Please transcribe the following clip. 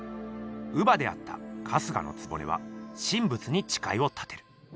乳母であった春日局は神仏にちかいを立てる。